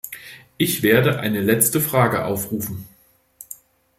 Ich werde eine letzte Frage aufrufen.